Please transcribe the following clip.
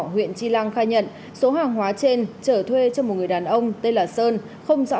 huyện tri lăng khai nhận số hàng hóa trên trở thuê cho một người đàn ông tên là sơn không rõ